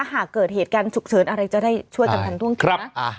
หากเกิดเหตุการณ์ฉุกเฉินอะไรจะได้ช่วยกันทันท่วงทีนะ